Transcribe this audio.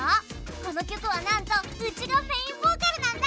この曲はなんとウチがメインボーカルなんだ！